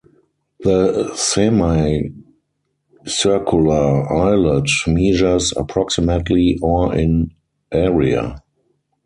The semicircular islet measures approximately or in area.